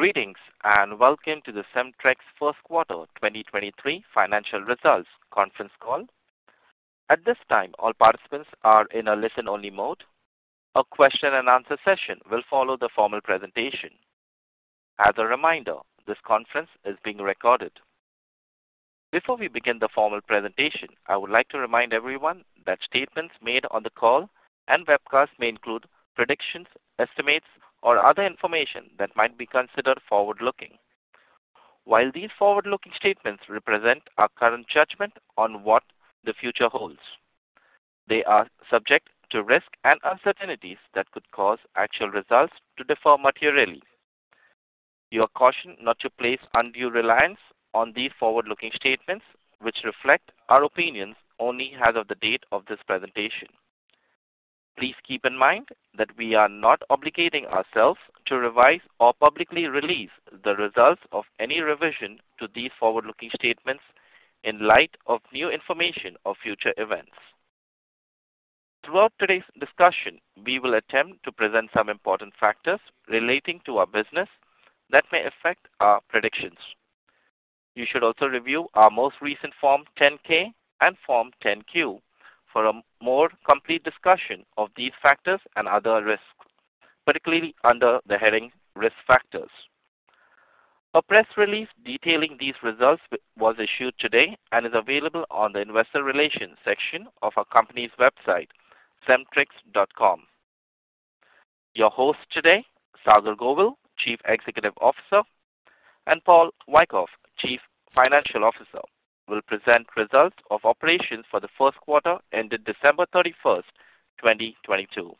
Greetings, and welcome to the Cemtrex Q1 2023 financial results conference call. At this time, all participants are in a listen-only mode. A question and answer session will follow the formal presentation. As a reminder, this conference is being recorded. Before we begin the formal presentation, I would like to remind everyone that statements made on the call and webcast may include predictions, estimates, or other information that might be considered forward-looking. While these forward-looking statements represent our current judgment on what the future holds, they are subject to risk and uncertainties that could cause actual results to differ materially. You are cautioned not to place undue reliance on these forward-looking statements, which reflect our opinions only as of the date of this presentation. Please keep in mind that we are not obligating ourselves to revise or publicly release the results of any revision to these forward-looking statements in light of new information or future events. Throughout today's discussion, we will attempt to present some important factors relating to our business that may affect our predictions. You should also review our most recent Form 10-K and Form 10-Q for a more complete discussion of these factors and other risks, particularly under the heading Risk Factors. A press release detailing these results was issued today and is available on the investor relations section of our company's website, cemtrex.com. Your host today, Saagar Govil, Chief Executive Officer, and Paul Wyckoff, Chief Financial Officer, will present results of operations for the Q1 ending December 31, 2022.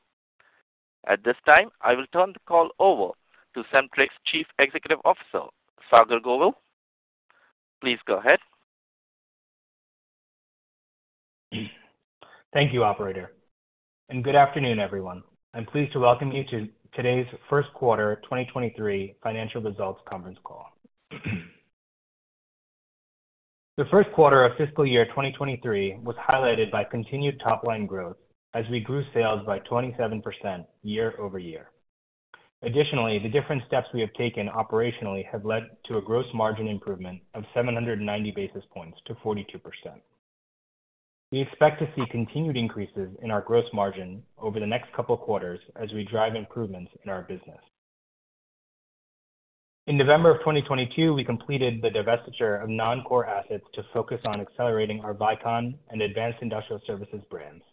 At this time, I will turn the call over to Cemtrex Chief Executive Officer, Saagar Govil. Please go ahead. Thank you, operator. Good afternoon, everyone. I'm pleased to welcome you to today's Q1 2023 financial results conference call. The Q1 of fiscal year 2023 was highlighted by continued top-line growth as we grew sales by 27% year-over-year. Additionally, the different steps we have taken operationally have led to a gross margin improvement of 790 basis points to 42%. We expect to see continued increases in our gross margin over the next couple of quarters as we drive improvements in our business. In November of 2022, we completed the divestiture of non-core assets to focus on accelerating our Vicon and Advanced Industrial Services brands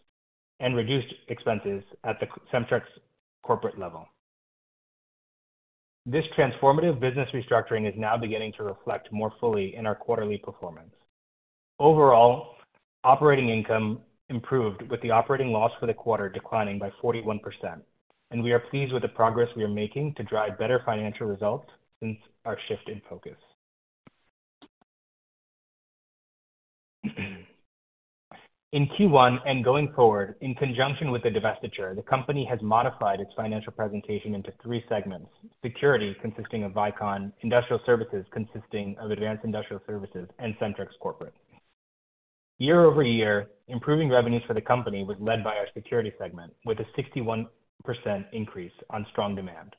and reduced expenses at the Cemtrex Corporate level. This transformative business restructuring is now beginning to reflect more fully in our quarterly performance. Overall, operating income improved with the operating loss for the quarter declining by 41%. We are pleased with the progress we are making to drive better financial results since our shift in focus. In Q1 and going forward, in conjunction with the divestiture, the company has modified its financial presentation into three segments: security, consisting of Vicon, industrial services, consisting of Advanced Industrial Services, and Cemtrex Corporate. Year-over-year, improving revenues for the company was led by our security segment with a 61% increase on strong demand.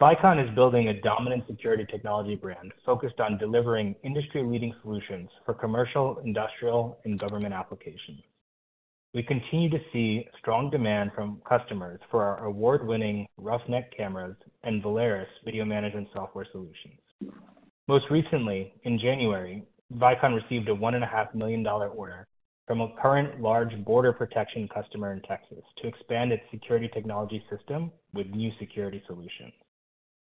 Vicon is building a dominant security technology brand focused on delivering industry-leading solutions for commercial, industrial, and government applications. We continue to see strong demand from customers for our award-winning Roughneck cameras and Valerus video management software solutions. Most recently, in January, Vicon received a $1.5 million order from a current large border protection customer in Texas to expand its security technology system with new security solutions.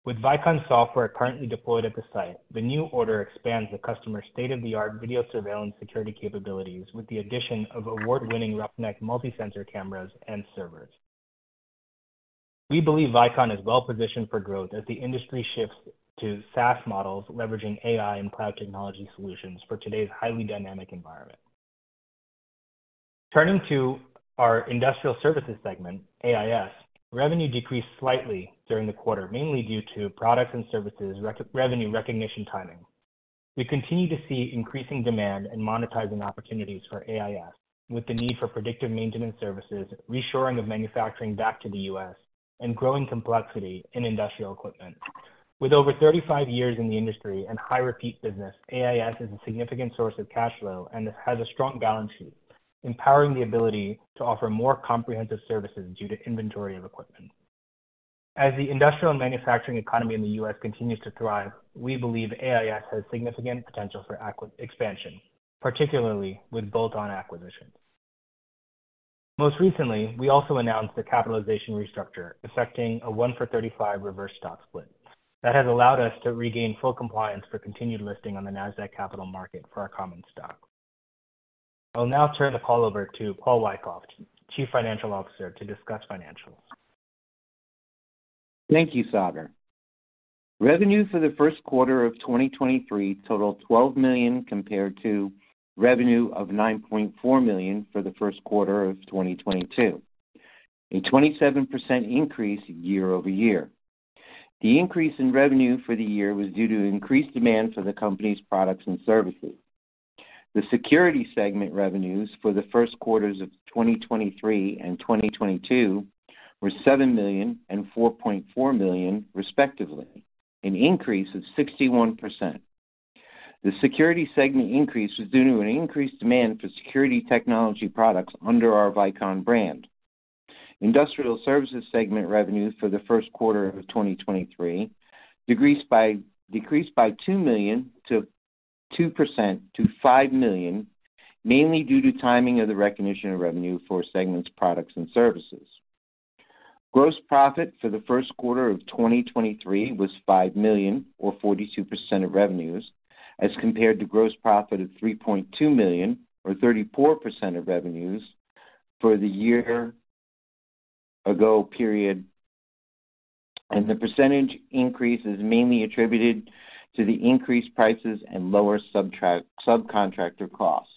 With Vicon software currently deployed at the site, the new order expands the customer's state-of-the-art video surveillance security capabilities with the addition of award-winning Roughneck multi-sensor cameras and servers. We believe Vicon is well-positioned for growth as the industry shifts to SaaS models leveraging AI and cloud technology solutions for today's highly dynamic environment. Turning to our industrial services segment, AIS, revenue decreased slightly during the quarter, mainly due to products and services revenue recognition timing. We continue to see increasing demand and monetizing opportunities for AIS with the need for predictive maintenance services, reshoring of manufacturing back to the U.S., and growing complexity in industrial equipment. With over 35 years in the industry and high repeat business, AIS is a significant source of cash flow and has a strong balance sheet, empowering the ability to offer more comprehensive services due to inventory of equipment. As the industrial manufacturing economy in the U.S. continues to thrive, we believe AIS has significant potential for acqui- expansion, particularly with bolt-on acquisitions. Most recently, we also announced a capitalization restructure, effecting a 1 for 35 reverse stock split that has allowed us to regain full compliance for continued listing on the Nasdaq Capital Market for our common stock. I'll now turn the call over to Paul Wyckoff, Chief Financial Officer, to discuss financials. Thank you, Saagar. Revenue for the Q1 of 2023 totaled $12 million compared to revenue of $9.4 million for the Q1 of 2022, a 27% increase year-over-year. The increase in revenue for the year was due to increased demand for the company's products and services. The security segment revenues for the Q1 of 2023 and 2022 were $7 million and $4.4 million, respectively, an increase of 61%. The security segment increase was due to an increased demand for security technology products under our Vicon brand. Industrial services segment revenues for the Q1 of 2023 decreased by $2 million to 2% to $5 million, mainly due to timing of the recognition of revenue for segment's products and services. Gross profit for the Q1 of 2023 was $5 million or 42% of revenues as compared to gross profit of $3.2 million or 34% of revenues for the year ago period. The percentage increase is mainly attributed to the increased prices and lower subcontractor costs.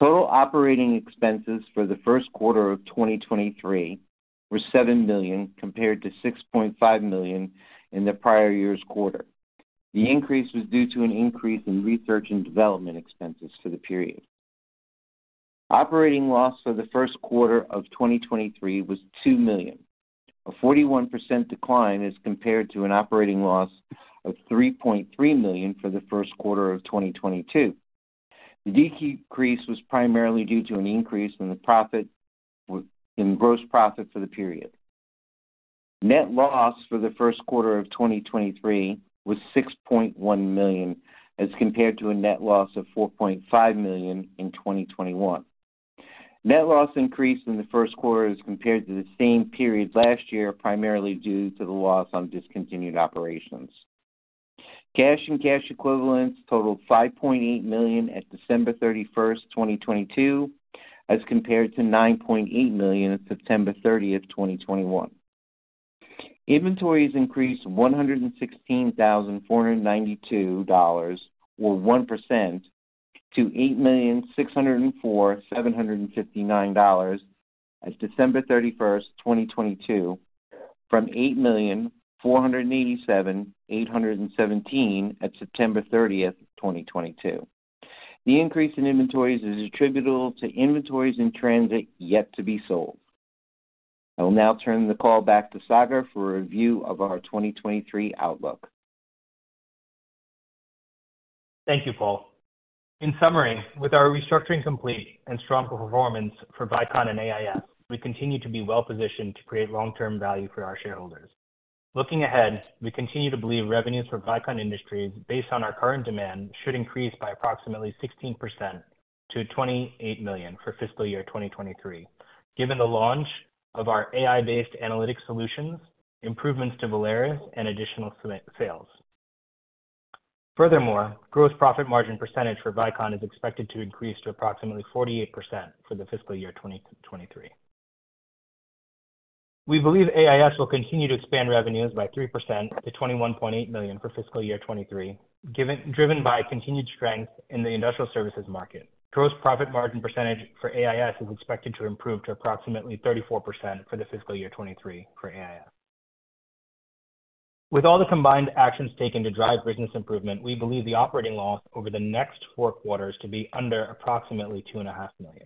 Total operating expenses for the Q1 of 2023 were $7 million compared to $6.5 million in the prior year's quarter. The increase was due to an increase in research and development expenses for the period. Operating loss for the Q1 of 2023 was $2 million, a 41% decline as compared to an operating loss of $3.3 million for the Q1 of 2022. The decrease was primarily due to an increase in gross profit for the period. Net loss for the Q1 of 2023 was $6.1 million as compared to a net loss of $4.5 million in 2021. Net loss increased in the Q1 as compared to the same period last year, primarily due to the loss on discontinued operations. Cash and cash equivalents totaled $5.8 million at December 31st, 2022, as compared to $9.8 million at September 30th, 2021. Inventories increased $116,492, or 1%, to $8,604,759 as December 31st, 2022, from $8,487,817 at September 30th, 2022. The increase in inventories is attributable to inventories in transit yet to be sold. I will now turn the call back to Saagar for a review of our 2023 outlook. Thank you, Paul. In summary, with our restructuring complete and strong performance for Vicon and AIS, we continue to be well positioned to create long-term value for our shareholders. Looking ahead, we continue to believe revenues for Vicon Industries, based on our current demand, should increase by approximately 16% to $28 million for fiscal year 2023, given the launch of our AI-based analytics solutions, improvements to Valerus, and additional sales. Gross profit margin percentage for Vicon is expected to increase to approximately 48% for the fiscal year 2023. We believe AIS will continue to expand revenues by 3% to $21.8 million for fiscal year 2023, driven by continued strength in the industrial services market. Gross profit margin percentage for AIS is expected to improve to approximately 34% for the fiscal year 2023 for AIS. With all the combined actions taken to drive business improvement, we believe the operating loss over the next four quarters to be under approximately two and a half million.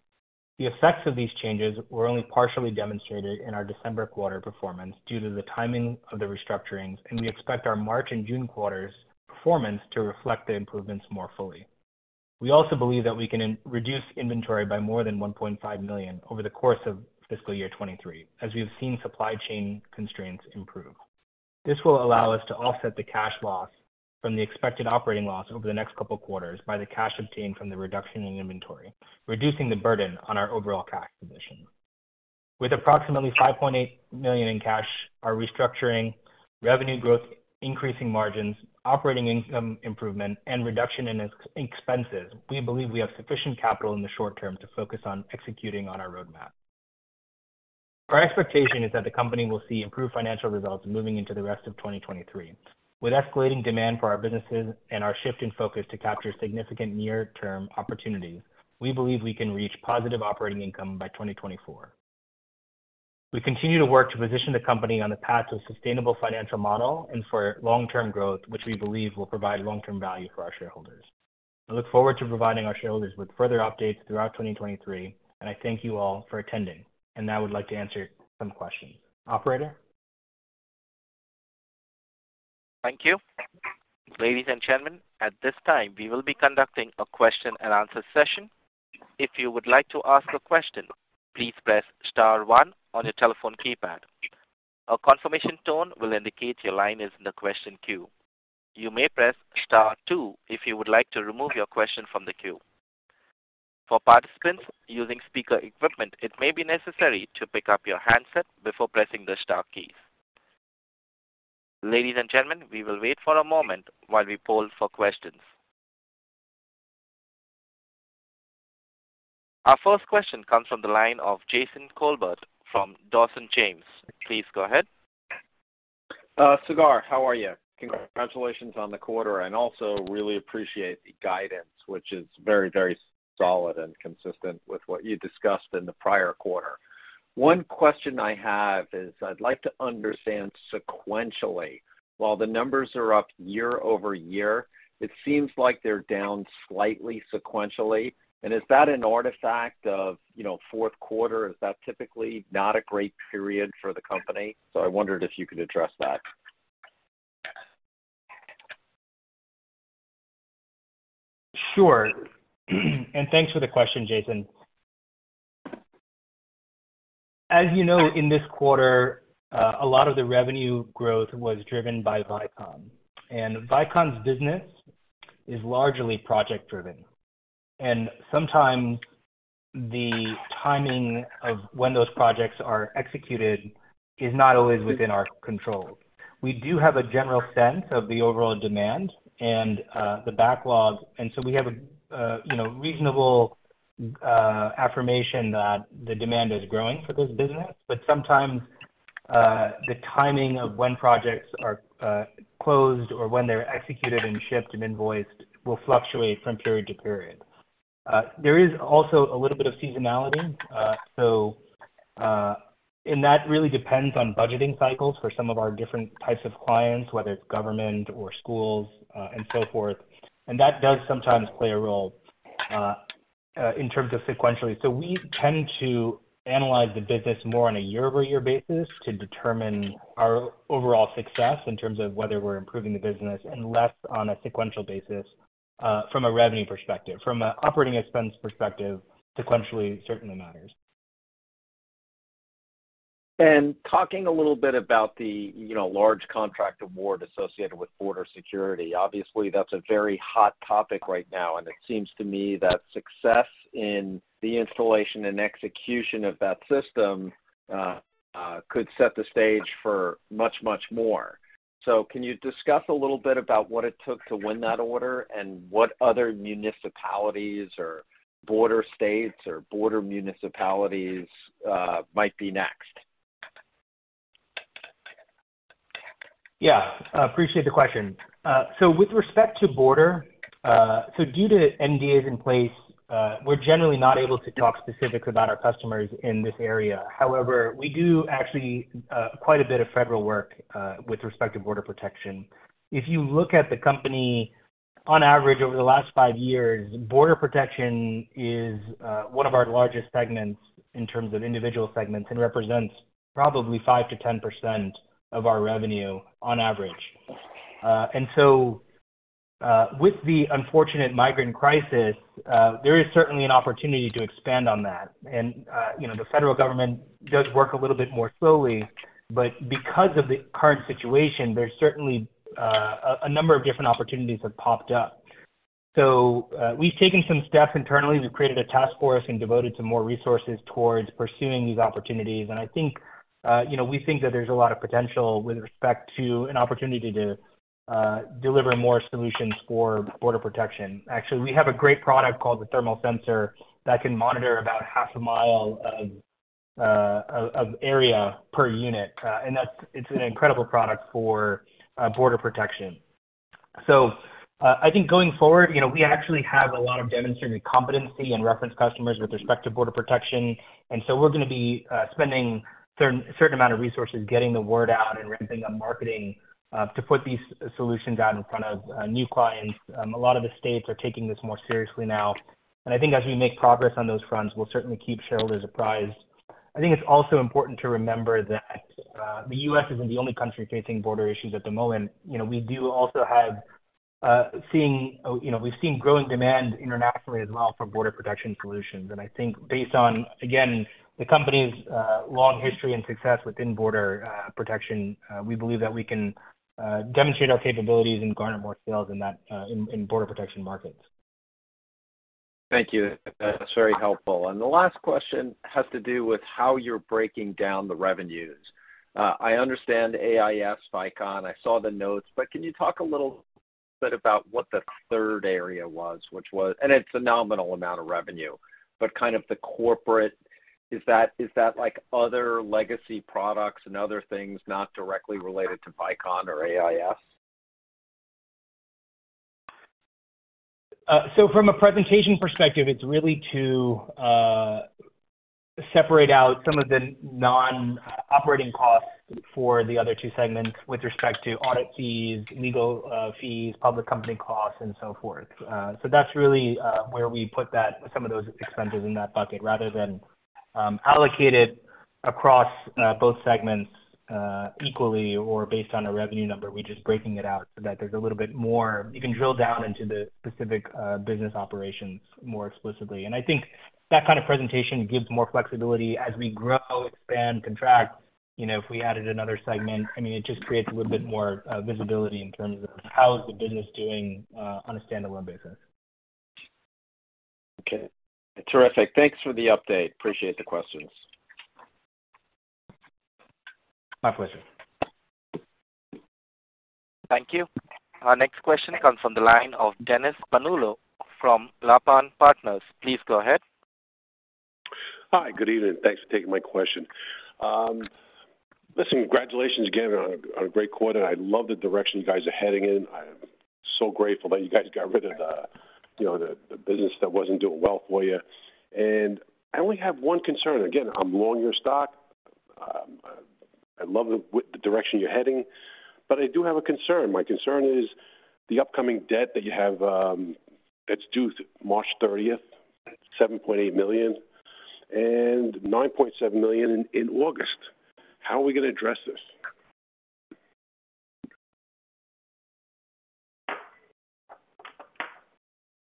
The effects of these changes were only partially demonstrated in our December quarter performance due to the timing of the restructurings. We expect our March and June quarters' performance to reflect the improvements more fully. We also believe that we can reduce inventory by more than $1.5 million over the course of fiscal year 2023, as we have seen supply chain constraints improve. This will allow us to offset the cash loss from the expected operating loss over the next couple quarters by the cash obtained from the reduction in inventory, reducing the burden on our overall cash position. With approximately $5.8 million in cash, our restructuring, revenue growth, increasing margins, operating income improvement, and reduction in ex-expenses, we believe we have sufficient capital in the short term to focus on executing on our roadmap. Our expectation is that the company will see improved financial results moving into the rest of 2023. With escalating demand for our businesses and our shift in focus to capture significant near-term opportunities, we believe we can reach positive operating income by 2024. We continue to work to position the company on the path to a sustainable financial model and for long-term growth, which we believe will provide long-term value for our shareholders. I look forward to providing our shareholders with further updates throughout 2023, and I thank you all for attending, and now I would like to answer some questions. Operator? Thank you. Ladies and gentlemen, at this time, we will be conducting a question-and-answer session. If you would like to ask a question, please press * 1 on your telephone keypad. A confirmation tone will indicate your line is in the question queue. You may press * 2 if you would like to remove your question from the queue. For participants using speaker equipment, it may be necessary to pick up your handset before pressing the star keys. Ladies and gentlemen, we will wait for a moment while we poll for questions. Our first question comes from the line of Jason Kolbert from Dawson James. Please go ahead. Saagar, how are you? Congratulations on the quarter, and also really appreciate the guidance, which is very, very solid and consistent with what you discussed in the prior quarter. One question I have is I'd like to understand sequentially, while the numbers are up year-over-year, it seems like they're down slightly sequentially. Is that an artifact of, you know, Q4? Is that typically not a great period for the company? I wondered if you could address that. Sure. Thanks for the question, Jason. As you know, in this quarter, a lot of the revenue growth was driven by Vicon. Vicon's business is largely project driven. Sometimes the timing of when those projects are executed is not always within our control. We do have a general sense of the overall demand and the backlog. We have a, you know, reasonable affirmation that the demand is growing for this business. Sometimes, the timing of when projects are closed or when they're executed and shipped and invoiced will fluctuate from period to period. There is also a little bit of seasonality. That really depends on budgeting cycles for some of our different types of clients, whether it's government or schools, and so forth. That does sometimes play a role, in terms of sequentially. We tend to analyze the business more on a year-over-year basis to determine our overall success in terms of whether we're improving the business and less on a sequential basis, from a revenue perspective. From a operating expense perspective, sequentially certainly matters. Talking a little bit about the, you know, large contract award associated with border security. Obviously, that's a very hot topic right now, and it seems to me that success in the installation and execution of that system could set the stage for much, much more. Can you discuss a little bit about what it took to win that order and what other municipalities or border states or border municipalities might be next? Yeah. Appreciate the question. With respect to border, due to NDAs in place, we're generally not able to talk specifics about our customers in this area. However, we do actually quite a bit of federal work with respect to border protection. If you look at the company, on average, over the last five years, border protection is one of our largest segments in terms of individual segments and represents probably 5%-10% of our revenue on average. With the unfortunate migrant crisis, there is certainly an opportunity to expand on that. You know, the federal government does work a little bit more slowly, but because of the current situation, there's certainly a number of different opportunities have popped up. We've taken some steps internally. We've created a task force and devoted some more resources towards pursuing these opportunities. I think, you know, we think that there's a lot of potential with respect to an opportunity to deliver more solutions for border protection. Actually, we have a great product called the Thermal Sensor that can monitor about half a mile of area per unit. That's an incredible product for border protection. I think going forward, you know, we actually have a lot of demonstrated competency and reference customers with respect to border protection. We're gonna be spending certain amount of resources getting the word out and ramping up marketing to put these solutions out in front of new clients. A lot of the states are taking this more seriously now. I think as we make progress on those fronts, we'll certainly keep shareholders apprised. I think it's also important to remember that the U.S. isn't the only country facing border issues at the moment. You know, we do also have, seeing, you know, we've seen growing demand internationally as well for border protection solutions. I think based on, again, the company's long history and success within border protection, we believe that we can demonstrate our capabilities and garner more sales in that, in border protection markets. Thank you. That's very helpful. The last question has to do with how you're breaking down the revenues. I understand AIS, Vicon, I saw the notes, but can you talk a little bit about what the third area was, which was, and it's a nominal amount of revenue, but kind of the Corporate, is that like other legacy products and other things not directly related to Vicon or AIS? From a presentation perspective, it's really to separate out some of the non-operating costs for the other two segments with respect to audit fees, legal fees, public company costs and so forth. That's really where we put that, some of those expenses in that bucket rather than allocated across both segments equally or based on a revenue number. We're just breaking it out so that there's a little bit more. You can drill down into the specific business operations more explicitly. I think that kind of presentation gives more flexibility as we grow, expand, contract, you know, if we added another segment, I mean, it just creates a little bit more visibility in terms of how is the business doing on a standalone basis. Okay. Terrific. Thanks for the update. Appreciate the questions. My pleasure. Thank you. Our next question comes from the line of Dennis from Lapan Partners. Please go ahead. Hi. Good evening. Thanks for taking my question. Listen, congratulations again on a great quarter. I love the direction you guys are heading in. I am so grateful that you guys got rid of you know, the business that wasn't doing well for you. I only have one concern. Again, I'm long your stock. I love the direction you're heading, but I do have a concern. My concern is the upcoming debt that you have, that's due March 30th, $7.8 million and $9.7 million in August. How are we gonna address this?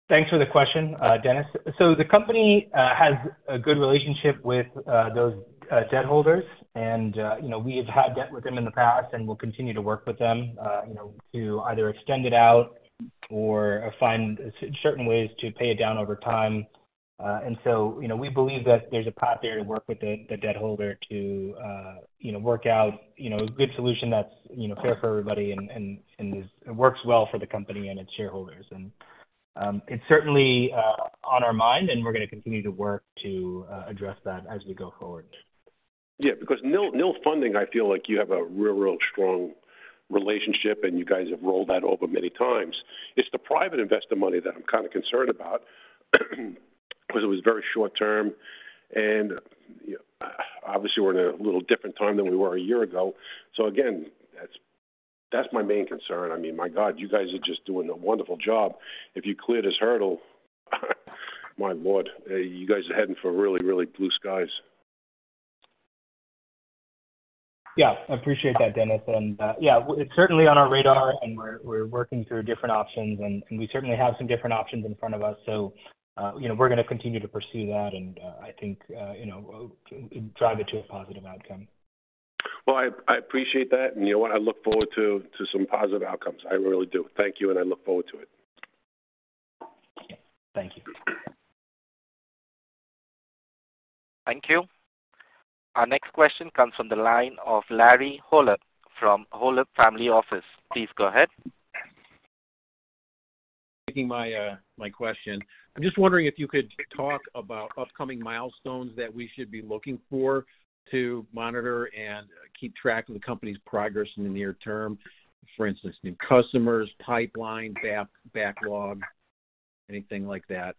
Thanks for the question, Dennis. The company has a good relationship with those debt holders and, you know, we have had debt with them in the past and we'll continue to work with them, you know, to either extend it out or find certain ways to pay it down over time. We believe that there's a path there to work with the debt holder to, you know, work out, you know, a good solution that's, you know, fair for everybody and works well for the company and its shareholders. It's certainly on our mind, and we're gonna continue to work to address that as we go forward. Because nil funding, I feel like you have a real strong relationship and you guys have rolled that over many times. It's the private investor money that I'm kind of concerned about because it was very short-term and, you know, obviously we're in a little different time than we were a year ago. Again, that's my main concern. I mean, my God, you guys are just doing a wonderful job. If you clear this hurdle, my Lord, you guys are heading for really, really blue skies. Yeah, I appreciate that, Dennis. Yeah, it's certainly on our radar and we're working through different options and we certainly have some different options in front of us. You know, we're gonna continue to pursue that and I think, you know, drive it to a positive outcome. Well, I appreciate that. You know what? I look forward to some positive outcomes. I really do. Thank you. I look forward to it. Thank you. Thank you. Our next question comes from the line of Larry Holub from Holub Family Office. Please go ahead. Taking my question. I'm just wondering if you could talk about upcoming milestones that we should be looking for to monitor and keep track of the company's progress in the near term. For instance, new customers, pipeline, backlog, anything like that.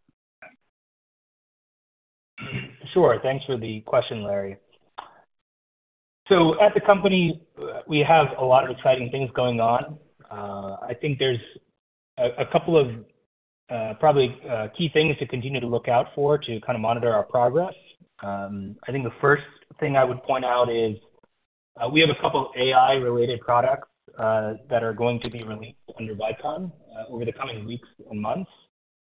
Sure. Thanks for the question, Larry. At the company we have a lot of exciting things going on. I think there's a couple of key things to continue to look out for to kind of monitor our progress. I think the first thing I would point out is we have a couple of AI related products that are going to be released under Vicon over the coming weeks and months,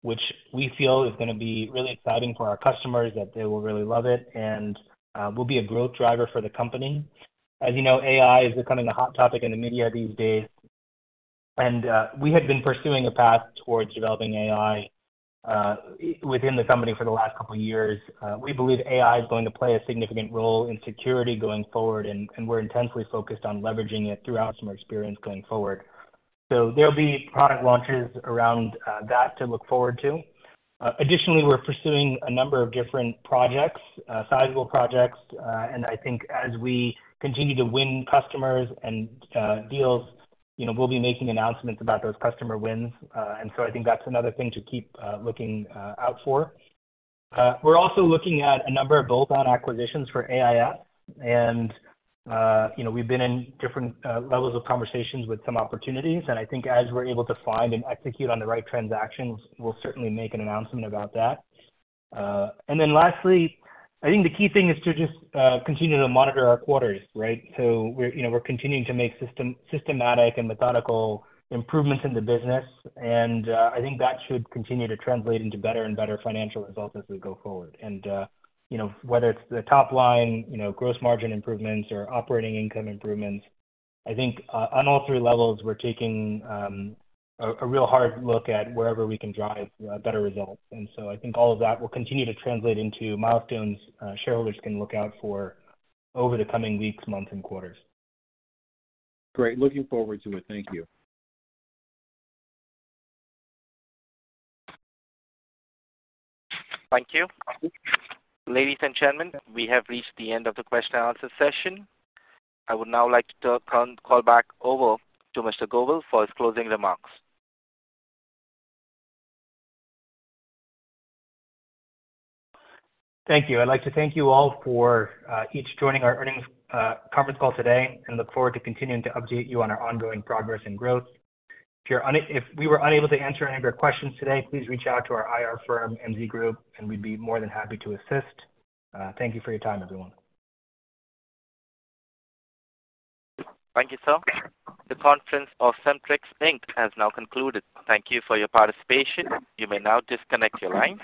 which we feel is going to be really exciting for our customers, that they will really love it and will be a growth driver for the company. As you know, AI is becoming a hot topic in the media these days, and we had been pursuing a path towards developing AI within the company for the last couple of years. We believe AI is going to play a significant role in security going forward, and we're intensely focused on leveraging it throughout customer experience going forward. There'll be product launches around that to look forward to. Additionally, we're pursuing a number of different projects, sizable projects. I think as we continue to win customers and deals, you know, we'll be making announcements about those customer wins. I think that's another thing to keep looking out for. We're also looking at a number of bolt-on acquisitions for AIS. You know, we've been in different levels of conversations with some opportunities, and I think as we're able to find and execute on the right transactions, we'll certainly make an announcement about that. Lastly, I think the key thing is to just continue to monitor our quarters, right. We're, you know, continuing to make systematic and methodical improvements in the business. I think that should continue to translate into better and better financial results as we go forward. You know, whether it's the top line, you know, gross margin improvements or operating income improvements, I think on all three levels, we're taking a real hard look at wherever we can drive better results. I think all of that will continue to translate into milestones shareholders can look out for over the coming weeks, months and quarters. Great. Looking forward to it. Thank you. Thank you. Ladies and gentlemen, we have reached the end of the question and answer session. I would now like to turn call back over to Mr. Govil for his closing remarks. Thank you. I'd like to thank you all for each joining our earnings conference call today and look forward to continuing to update you on our ongoing progress and growth. If we were unable to answer any of your questions today, please reach out to our IR firm, MZ Group, and we'd be more than happy to assist. Thank you for your time, everyone. Thank you, sir. The conference of Cemtrex, Inc. has now concluded. Thank you for your participation. You may now disconnect your lines.